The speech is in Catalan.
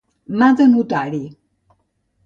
Mà de notari.